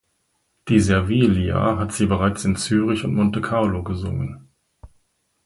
Die Servilia hat sie bereits in Zürich und Monte Carlo gesungen.